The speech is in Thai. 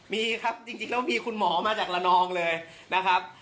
มีครับจริงแล้วมีคุณหมอมาจากละนองเลยนะครับ